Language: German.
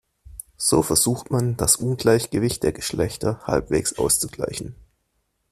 So versucht man, das Ungleichgewicht der Geschlechter halbwegs auszugleichen.